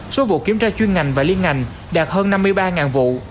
số vụ kiểm tra chuyên ngành và liên ngành đạt hơn năm mươi ba vụ